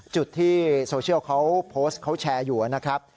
จุดที่โซเชียลเขาโพสต์เขาแชร์อยู่นะครับ